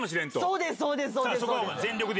そうですそうです。